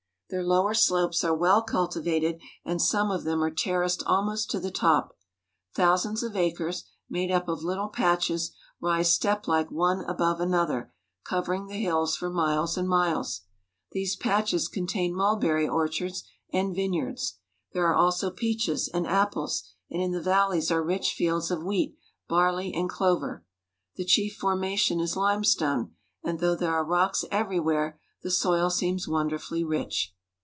Their lower slopes are well cultivated and some of them are terraced almost to the top. Thousands of acres, made up of little patches, rise step like one above another, covering the hills for miles and miles. These patches contain mulberry orchards and vineyards. There are also peaches and apples, and in the valleys are rich fields of wheat, barley, and clover. The chief formation is limestone, and though there are rocks everywhere, the soil seems wonderfully rich.